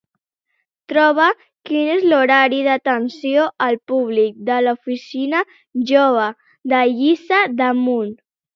Troba quin és l'horari d'atenció al públic de l'oficina jove de Lliçà de Munt.